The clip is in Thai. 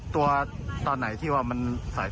แต่ที่นี่จะเรียกว่าจะเกียรติ